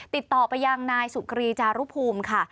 ติดต่อไปยังนายสุกรีจารุภูมิค่ะ